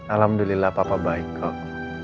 alhamdulillah papa baik kok